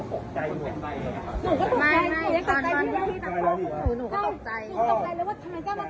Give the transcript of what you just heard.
ก่อนเดี๋ยวเดี๋ยวเดี๋ยวเดี๋ยวเดี๋ยวเดี๋ยวพี่ตั้งแต่แรก